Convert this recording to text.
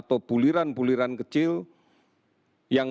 tokoh pandemi tersebut adalah